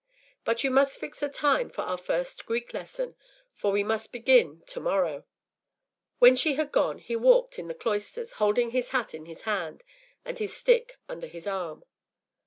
But you must fix a time for our first Greek lesson, for we must begin to morrow.” When she had gone he walked in the cloisters, holding his hat in his hand and his stick under his arm.